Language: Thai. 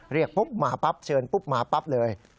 เรียกปุ๊บมาปั๊บเชิญปุ๊บมาปั๊บเลย